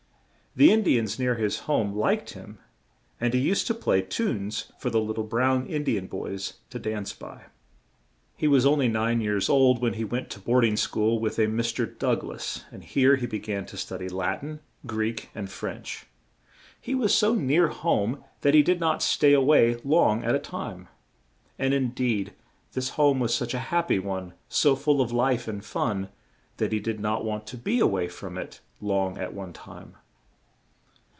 The In di ans near his home liked him, and he used to play tunes for the lit tle, brown In di an boys to dance by. He was on ly nine years old when he went to board ing school with a Mr. Doug lass, and here he be gan to stu dy Lat in, Greek and French. He was so near home that he did not stay a way long at a time; and in deed, this home was such a hap py one, so full of life and fun, that he did not want to be a way from it long at one time.